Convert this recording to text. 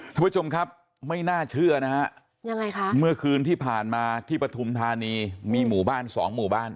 ท่านผู้ชมครับไม่น่าเชื่อนะฮะยังไงคะเมื่อคืนที่ผ่านมาที่ปฐุมธานีมีหมู่บ้านสองหมู่บ้าน